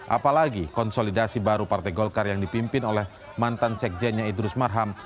apalagi konsolidasi baru partai golkar yang dipimpin oleh mantan sekjennya idrus marham